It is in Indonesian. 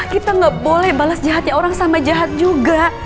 kita gak boleh balas jahatnya orang sama jahat juga